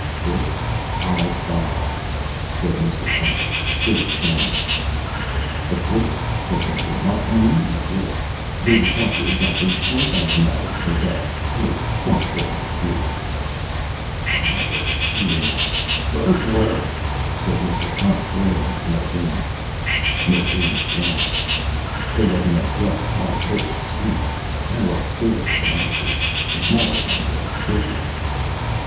"This I'll buy," said Mr. Untz, still staring. "Of course," said Mildume. "I knew you would. They will cost you exactly ten thousand dollars per day. Per twenty four hour period." "Profiteer burglar!" said Mr. Untz, glaring at Mildume. Mildume shrugged. There was an abrupt, high pitched squeak. Harold stared at the monsters. The smaller one was quivering.